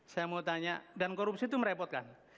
saya mau tanya dan korupsi itu merepotkan